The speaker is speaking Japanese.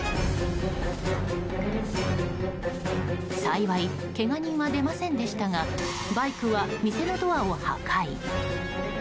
幸い、けが人は出ませんでしたがバイクは店のドアを破壊。